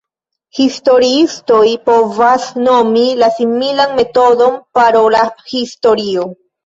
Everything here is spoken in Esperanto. Historiistoj povas nomi la similan metodon parola historio.